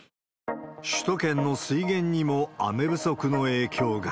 首都圏の水源にも雨不足の影響が。